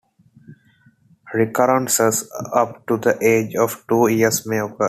Recurrences up to the age of two years may occur.